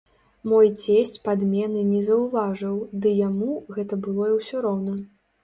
Мой цесць падмены не заўважыў, ды яму гэта было і ўсё роўна.